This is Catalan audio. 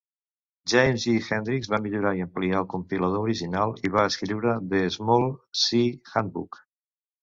James E. Hendrix va millorar i ampliar el compilador original, i va escriure "The Small-C Handbook".